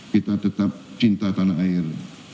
kita tetap cinta tanah air